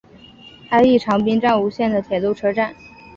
安艺长滨站吴线的铁路车站。